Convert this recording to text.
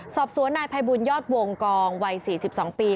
สอบสวนนายภัยบุญยอดวงกองวัย๔๒ปี